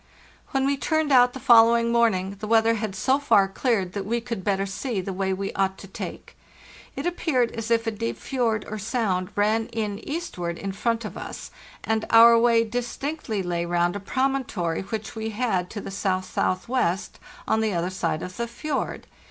When we turned out the following morning, the weather had so far cleared that we could better see the way we ought to take. It appeared as if a deep fjord or sound ran in eastward in front of us; and our way distinctly lay round a promontory which we had to the S.S.W. on the other side of the fjord.